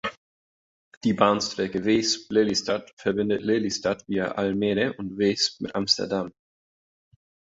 Die Bahnstrecke Weesp–Lelystad verbindet Lelystad via Almere und Weesp mit Amsterdam.